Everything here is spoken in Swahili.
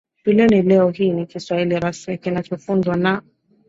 shuleni Leo hii ni Kiswahili rasmi kinachofunzwa na